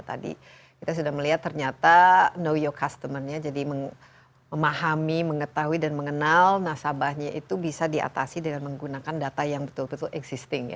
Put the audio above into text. tadi kita sudah melihat ternyata know your customer nya jadi memahami mengetahui dan mengenal nasabahnya itu bisa diatasi dengan menggunakan data yang betul betul existing ya